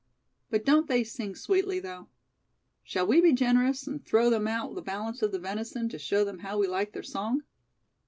But don't they sing sweetly, though? Shall we be generous, and throw them out the balance of the venison, to show them how we like their song?"